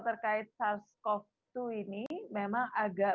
terkait sars cov dua ini memang agak